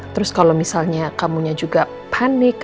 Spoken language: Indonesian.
terus kalau misalnya kamunya juga panik